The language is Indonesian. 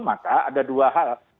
maka ada dua hal